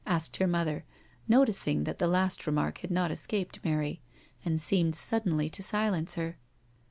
asked her mother, noticing that the last remark had not escaped Mary, and seemed suddenly to silence her.